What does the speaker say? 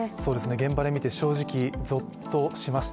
現場で見て、正直ぞっとしました。